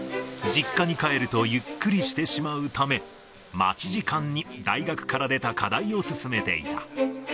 実家に帰るとゆっくりしてしまうため、待ち時間に大学から出た課題を進めていた。